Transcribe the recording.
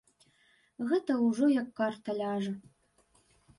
Гэта ўжо як карта ляжа.